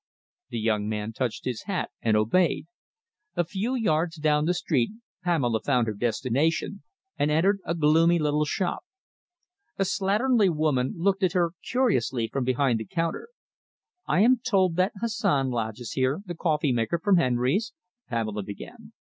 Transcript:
The young man touched his hat and obeyed. A few yards down the street Pamela found her destination, and entered a gloomy little shop. A slatternly woman looked at her curiously from behind the counter. "I am told that Hassan lodges here, the coffee maker from Henry's," Pamela began.